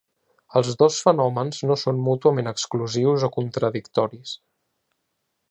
Els dos fenòmens no són mútuament exclusius o contradictoris.